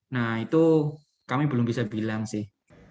nah itu kami belum bisa bilang sih